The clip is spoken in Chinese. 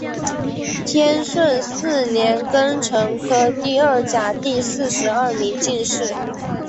天顺四年庚辰科第二甲第四十二名进士。